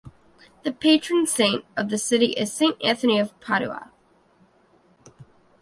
The Patron Saint of the city is Saint Anthony of Padua.